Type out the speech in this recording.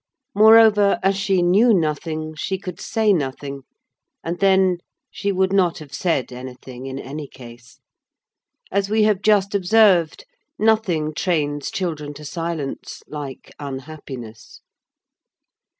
Moreover, as she knew nothing, she could say nothing, and then, she would not have said anything in any case. As we have just observed, nothing trains children to silence like unhappiness.